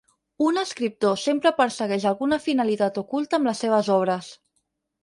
Un escriptor sempre persegueix alguna finalitat oculta amb les seves obres.